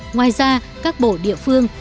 ngoài ra các bộ địa phương